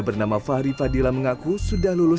bernama fahri fadila mengaku sudah lulus